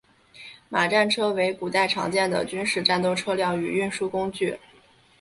马战车为古代常见的军事战斗车辆与运输工具。